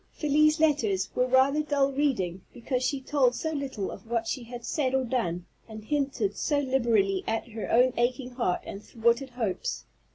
Felie's letters were rather dull reading, because she told so little of what she had said or done, and hinted so liberally at her own aching heart and thwarted hopes.